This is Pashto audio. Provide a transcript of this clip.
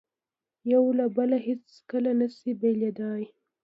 یو له بله هیڅکله نه شي بېلېدای.